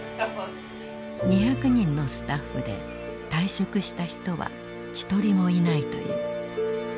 ２００人のスタッフで退職した人は一人もいないという。